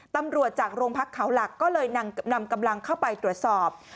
ตำรวจจากโรงพักเขาหลักก็เลยนำกำลังเข้าไปตรวจสอบ